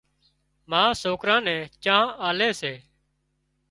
ما سوڪران نين چانه آلي سي